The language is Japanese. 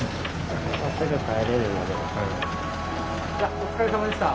お疲れさまでした。